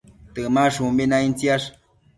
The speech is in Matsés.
Temashumbi naidtsiash